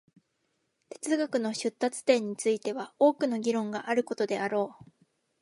哲学の出立点については多くの議論があることであろう。